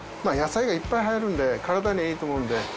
野菜がいっぱい入るんで体にはいいと思うんで。